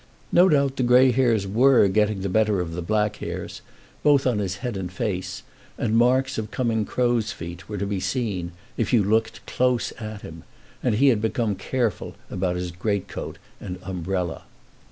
No doubt the grey hairs were getting the better of the black hairs, both on his head and face, and marks of coming crows' feet were to be seen if you looked close at him, and he had become careful about his great coat and umbrella.